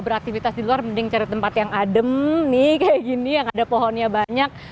beraktivitas di luar mending cari tempat yang adem nih kayak gini yang ada pohonnya banyak